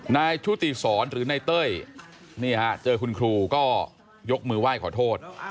ชุติศรหรือนายเต้ยนี่ฮะเจอคุณครูก็ยกมือไหว้ขอโทษ